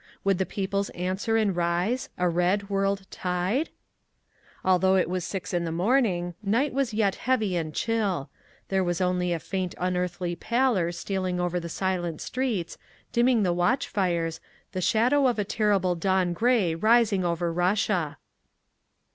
Would the peoples answer and rise, a red world tide? Although it was six in the morning, night was yet heavy and chill. There was only a faint unearthly pallor stealing over the silent streets, dimming the watch fires, the shadow of a terrible dawn grey rising over Russia….